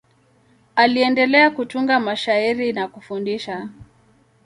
Aliendelea kutunga mashairi na kufundisha.